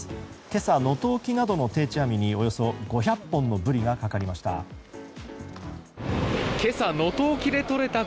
今朝、能登沖などの定置網におよそ５００本のブリがかかりました。